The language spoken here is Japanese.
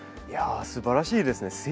いやすばらしいですね。